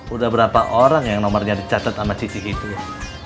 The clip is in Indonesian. udah berapa orang yang nomernya dicatat sama cici gitu ya